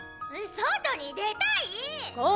外に出たいー！！